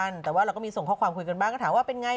แล้วไปกินข้าวด้วยกันทำไม